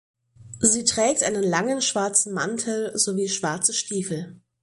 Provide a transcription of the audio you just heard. Sie trägt einen langen schwarzen Mantel sowie schwarze Stiefel.